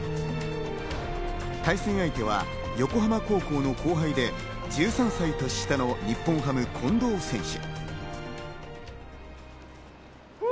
対戦相手は横浜高校の後輩で１３歳年下の日本ハム・近藤選手。